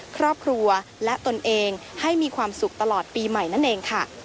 ครอบครัวและตนเองให้มีความสุขตลอดปีใหม่นั่นเองค่ะ